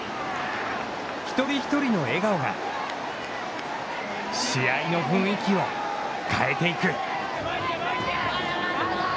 一人一人の笑顔が試合の雰囲気を変えていく。